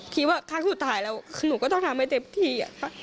คิดว่าครั้งสุดท้ายแล้วหนูก็ต้องทำให้เต็มที่